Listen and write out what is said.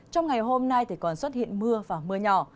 trong ngày hôm nay còn xuất hiện mưa và mưa nhỏ